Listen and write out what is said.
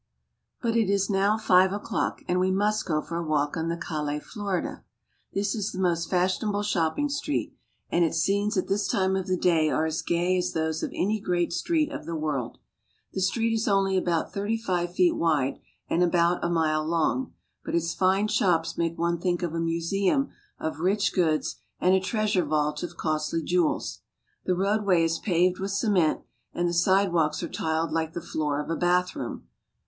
But it is now five o'clock, and we must go for a walk on the Calle Florida. This is the most fashionable shopping street, and its scenes at this time of the day are as gay as those of any great street of the world. The street is only about thirty five feet wide and about a mile long, but its fine shops make one think of a museum of rich goods and a treasure vault of costly jewels. The roadway is paved with cement, and the sidewalks are tiled Uke the floor of a bathroom.